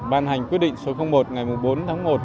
ban hành quyết định số một ngày bốn tháng một